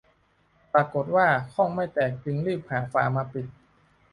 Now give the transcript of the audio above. ปรากฏว่าข้องไม่แตกจึงรีบหาฝามาปิด